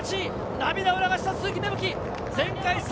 涙を流した鈴木芽吹。